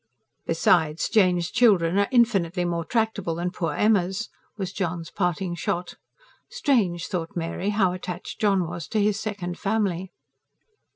"Besides, Jane's children are infinitely more tractable than poor Emma's," was John's parting shot. Strange, thought Mary, how attached John was to his second family.